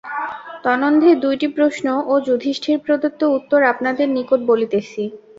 তন্মধ্যে দুইটি প্রশ্ন ও যুধিষ্ঠিরপ্রদত্ত উত্তর আপনাদের নিকট বলিতেছি।